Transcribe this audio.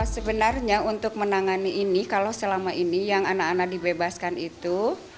sebenarnya untuk menangani ini kalau selama ini yang anak anak dibebaskan itu